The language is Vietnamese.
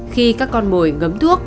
khi các con mồi ngấm thuốc